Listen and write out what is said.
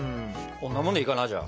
こんなもんでいいかなじゃあ。